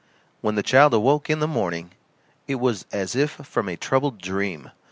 When the child awoke in the morning, it was as if from a troubled dream.